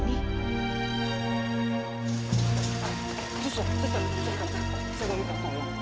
suster suster saya minta tolong